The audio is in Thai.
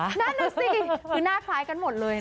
นั่นน่ะสิคือหน้าคล้ายกันหมดเลยนะ